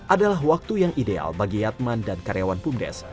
adalah waktu yang ideal bagi yatman dan karyawan bumdes